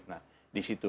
nah di situ